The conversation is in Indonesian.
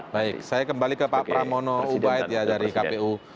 baik saya kembali ke pak pramono ubaid ya dari kpu